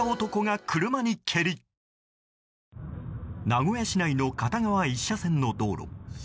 名古屋市内の片側１車線の道路。